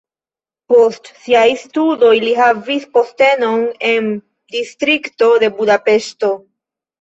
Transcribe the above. Post siaj studoj li havis postenon en distrikto de Budapeŝto.